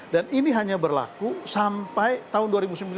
dan ini hanya berlaku sampai tahun dua ribu sembilan belas